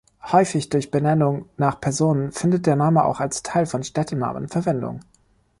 Häufig durch Benennung nach Personen findet der Name auch als Teil von Städtenamen Verwendung.